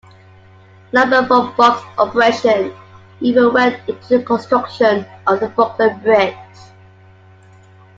Lumber from Buck's operation even went into the construction of the Brooklyn Bridge.